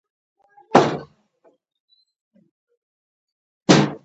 ژوندي کار روزګار پسې ګرځي